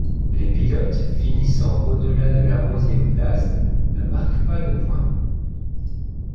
Les pilotes finissant au-delà de la onzième place ne marquent pas de points.